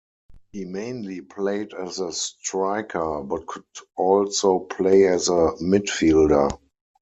He mainly played as a striker, but could also play as a midfielder.